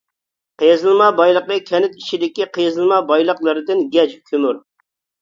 قېزىلما بايلىقى كەنت ئىچىدىكى قېزىلما بايلىقلىرىدىن گەج، كۆمۈر.